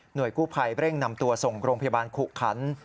โดยกู้ภัยเร่งนำตัวส่งโรงพยาบาลขุขัน